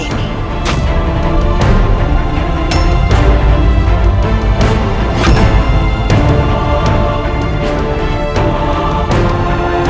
berada di rumahmu